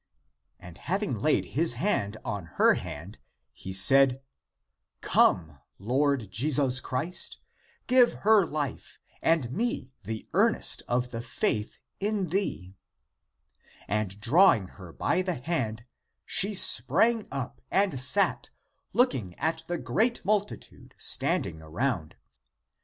And having laid his hand on her hand, he said, "Come, Lord Jesus Christ, give her life and me the earnest of the faith in thee," And drawing her by the hand, she spraung up, and sat, looking at the great multitude standing around.